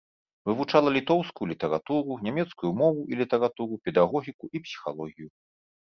Вывучала літоўскую літаратуру, нямецкую мову і літаратуру, педагогіку і псіхалогію.